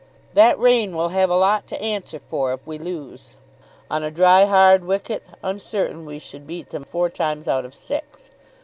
"That rain will have a lot to answer for if we lose. On a dry, hard wicket I'm certain we should beat them four times out of six.